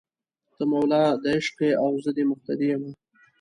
ته مولا دې عشق یې او زه دې مقتدي یمه